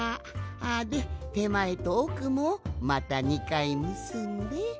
でてまえとおくもまた２かいむすんで。